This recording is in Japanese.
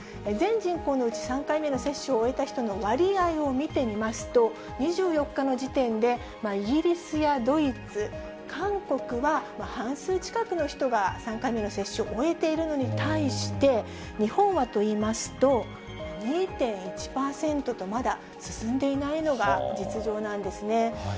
全人口のうち、３回目の接種を終えた人の割合を見てみますと、２４日の時点で、イギリスやドイツ、韓国は半数近くの人が３回目の接種を終えているのに対して、日本はといいますと、２．１％と、まだ進んでいないのが実情なんですね。